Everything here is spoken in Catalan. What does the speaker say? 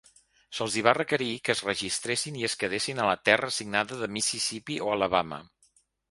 Se'ls hi va requerir que es registressin i es quedessin a la terra assignada de Mississippi o Alabama.